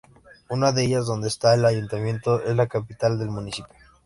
Una de ellas, donde está el ayuntamiento, es la capital del municipio.